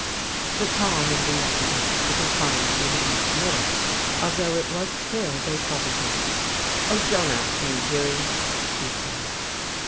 But Tom, in these debates, was inclined to be noncommittal, although it was clear they troubled him. "Oh, don't ask me, Hughie," he said.